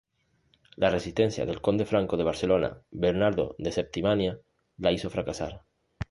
La resistencia del conde franco de Barcelona, Bernardo de Septimania, la hizo fracasar.